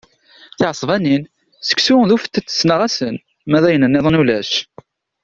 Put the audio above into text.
Tiɛesbanin, seksu d ufettet ssneɣ-asen, ma d ayen nniḍen ulac.